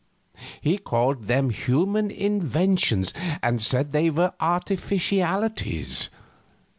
He called them human inventions, and said they were artificialities.